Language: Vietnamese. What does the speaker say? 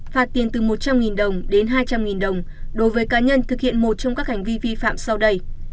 phạt tiền từ một trăm linh đồng đến hai trăm linh đồng đối với cá nhân thực hiện một trong các hành vi vi phạm sau đây